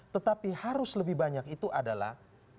tetapi harus lebih banyak itu adalah